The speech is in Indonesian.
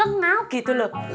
tidur sengal gitu loh